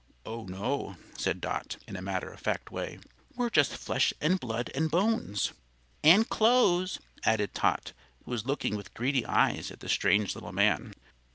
"Oh no!" said Dot, in a matter of fact way. "We're just flesh and blood and bones." "And clothes," added Tot, who was looking with greedy eyes at the strange little man.